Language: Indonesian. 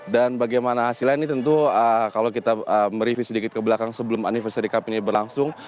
dan bagaimana hasilnya ini tentu kalau kita mereview sedikit ke belakang sebelum anniversary cup ini berlangsung